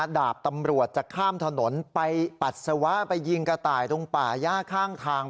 ดาบตำรวจจะข้ามถนนไปปัสสาวะไปยิงกระต่ายตรงป่าย่าข้างทาง